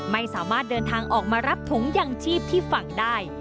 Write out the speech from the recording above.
ไม่สามารถเดินทางออกมารับถุงยังชีพที่ฝังได้